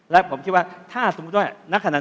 และผมคิดว่าถ้าในนั้น